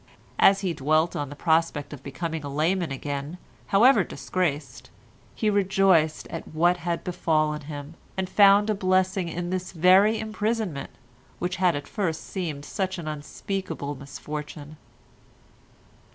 As he dwelt on the prospect of becoming a layman again, however disgraced, he rejoiced at what had befallen him, and found a blessing in this very imprisonment which had at first seemed such an unspeakable misfortune.